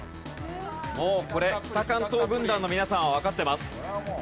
もうこれ北関東軍団の皆さんはわかってます。